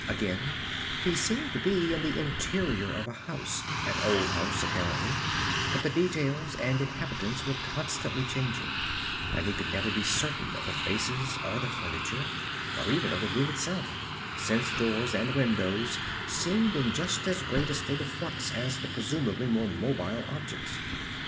Again he seemed to be in the interior of a house an old house, apparently but the details and inhabitants were constantly changing, and he could never be certain of the faces or the furniture, or even of the room itself, since doors and windows seemed in just as great a state of flux as the presumably more mobile objects.